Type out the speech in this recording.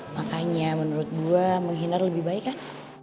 makanya menurut gue menghina lebih baik kan